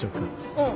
うん。